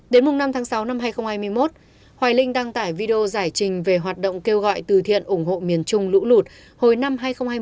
đến năm tháng sáu năm hai nghìn hai mươi một hoài linh đăng tải video giải trình về hoạt động kêu gọi từ thiện ủng hộ miền trung lũ lụt hồi năm hai nghìn hai mươi